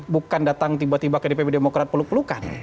bukan datang tiba tiba ke dpp demokrat peluk pelukan